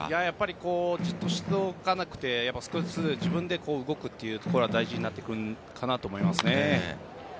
やっぱり、じっとしておかず少しずつ自分で動くというのが大事になってくるかなと思いますね。